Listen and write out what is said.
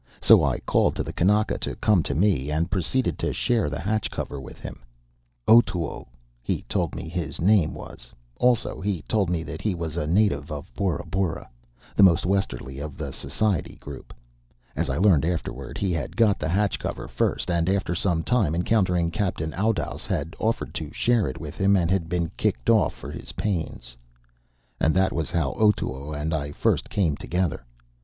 So I called to the kanaka to come to me, and proceeded to share the hatch cover with him. Otoo, he told me his name was (pronounced o to o ); also, he told me that he was a native of Bora Bora, the most westerly of the Society Group. As I learned afterward, he had got the hatch cover first, and, after some time, encountering Captain Oudouse, had offered to share it with him, and had been kicked off for his pains. And that was how Otoo and I first came together.